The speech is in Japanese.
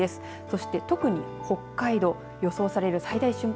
そして特に北海道、予想される最大瞬間